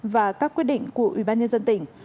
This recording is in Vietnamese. và các quyết định của ubnd tỉnh